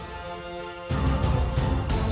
amuk barugun pakai otak